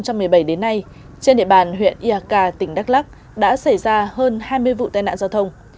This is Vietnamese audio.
từ đầu năm hai nghìn một mươi bảy đến nay trên địa bàn huyện eak tỉnh đắk lắc đã xảy ra hơn hai mươi vụ tai nạn giao thông